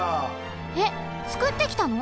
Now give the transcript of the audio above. えっつくってきたの？